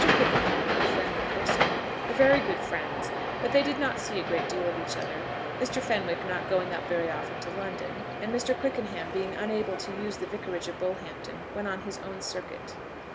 Quickenham and our friend the parson were very good friends; but they did not see a great deal of each other, Mr. Fenwick not going up very often to London, and Mr. Quickenham being unable to use the Vicarage of Bullhampton when on his own circuit.